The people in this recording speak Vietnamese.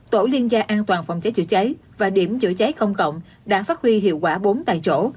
tổ liên gia an toàn phòng cháy chữa cháy và điểm chữa cháy công cộng đã phát huy hiệu quả bốn tại chỗ